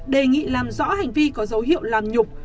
đề nghị làm rõ hành vi có dấu hiệu làm nhục